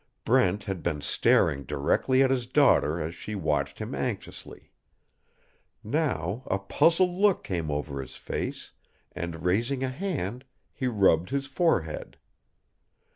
Brent had been staring directly at his daughter as she watched him anxiously. Now a puzzled look came over his face and, raising a hand, he rubbed his forehead.